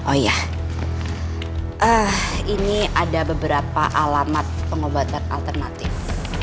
oh iya ini ada beberapa alamat pengobatan alternatif